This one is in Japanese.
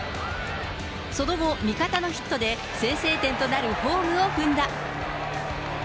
その後、味方のヒットで先制点となるホームを踏んだ。